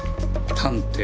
探偵。